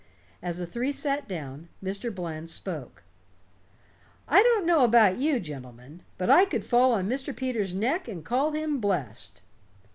As the three sat down, Mr. Bland spoke: "I don't know about you, gentlemen, but I could fall on Mr. Peters' neck and call him blessed."